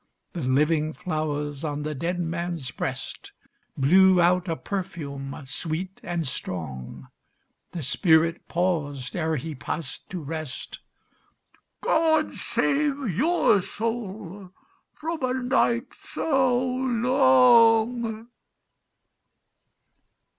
The living flowers on the dead man's breast Blew out a perfume sweet and strong. The spirit paused ere he passed to rest— "God save your soul from a night so long."